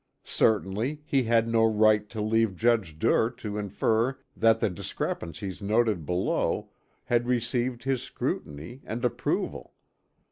Certainly he had no right to leave Judge Duer to infer that the discrepancies noted below had received his scrutiny and approval.